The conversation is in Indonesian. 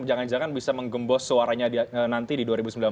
jangan jangan bisa menggembos suaranya nanti di dua ribu sembilan belas